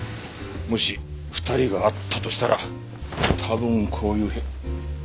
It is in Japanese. もし２人が会ったとしたら多分こういうへ。